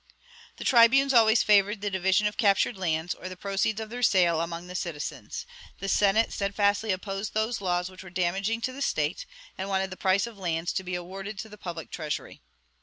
"The tribunes always favored the division of captured lands, or the proceeds of their sale, among the citizens. The Senate steadfastly opposed those laws which were damaging to the State, and wanted the price of lands to be awarded to the public treasury."